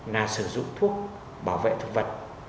là sử dụng thuốc bảo vệ thực vật